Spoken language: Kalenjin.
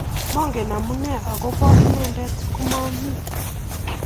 Mangen amune akopa inendet komami